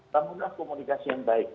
menggunakan komunikasi yang baik